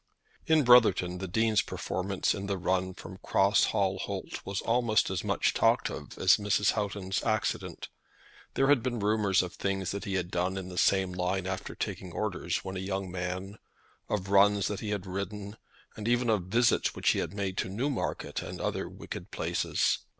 In Brotherton the Dean's performance in the run from Cross Hall Holt was almost as much talked of as Mrs. Houghton's accident. There had been rumours of things that he had done in the same line after taking orders, when a young man, of runs that he had ridden, and even of visits which he had made to Newmarket and other wicked places.